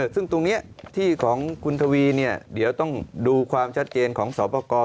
ซึ่งตรงนี้ที่ของคุณทวีเดี๋ยวต้องดูความชัดเจนของสอบประกอบ